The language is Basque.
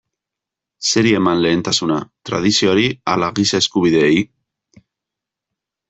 Zeri eman lehentasuna, tradizioari ala giza eskubideei?